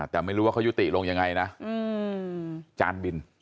แต่ไม่รู้ว่าเขายุติลงยังไงนะจานบิน